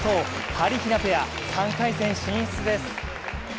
はりひなペア、３回戦進出です。